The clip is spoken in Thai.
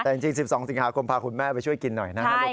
แต่จริง๑๒สิงหาคมพาคุณแม่ไปช่วยกินหน่อยนะครับ